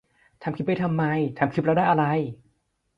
ทำคลิปไปทำไม ทำคลิปแล้วได้อะไร